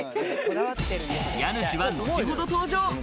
家主は後ほど登場。